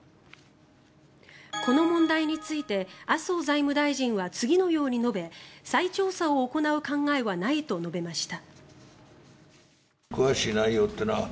この問題について麻生財務大臣は次のように述べ再調査を行う考えはないと述べました。